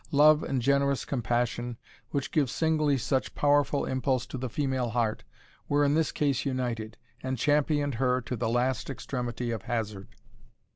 Love and generous compassion, which give singly such powerful impulse to the female heart, were in this case united, and championed her to the last extremity of hazard.